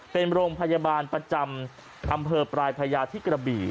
เป็นโรงพยาบาลประจำอำเภอปลายพญาที่กระบี่